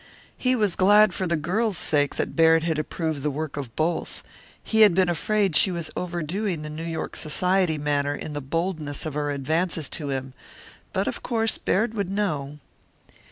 He was glad for the girl's sake that Baird had approved the work of both. He had been afraid she was overdoing the New York society manner in the boldness of her advances to him, but of course Baird would know.